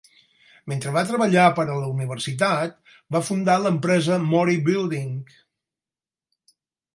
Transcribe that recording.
Mentre va treballar per a la universitat, va fundar l'empresa Mori Building.